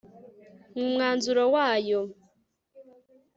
mu mwanzuro wayo